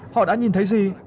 họ đã nhìn thấy gì